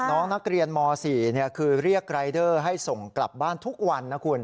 น้องนักเรียนม๔คือเรียกรายเดอร์ให้ส่งกลับบ้านทุกวันนะคุณ